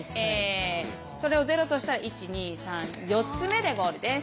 それをゼロとしたら１２３４つ目でゴールです。